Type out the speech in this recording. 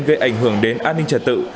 gây ảnh hưởng đến an ninh trả tự